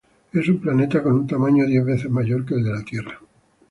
Es un planeta con un tamaño diez veces mayor que el de la Tierra.